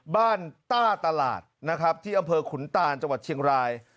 ต้าตลาดนะครับที่อำเภอขุนตานจังหวัดเชียงราย